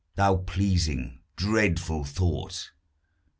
thou pleasing, dreadful thought!